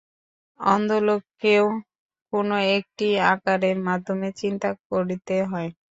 অন্ধলোককেও কোন একটি আকারের মাধ্যমে চিন্তা করিতে হয়।